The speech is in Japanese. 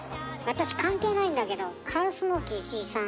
私関係ないんだけどカールスモーキー石井さん